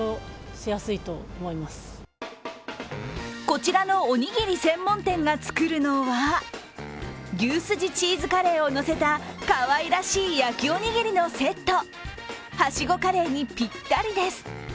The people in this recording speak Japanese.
こちらの、おにぎり専門店が作るのは牛すじチーズカレーをのせたかわいらしい焼きおにぎりのセット。